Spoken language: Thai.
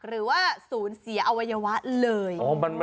หรือว่าศูนย์เสียอวัยวะเลย